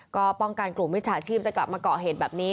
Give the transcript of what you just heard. ก็ป้องกันกลุ่มมิจฉาชีพจะกลับมาเกาะเหตุแบบนี้